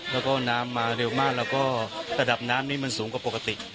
แล้วก็น้ำมาเร็วมากแล้วก็ระดับน้ำนี้มันสูงกว่าปกติ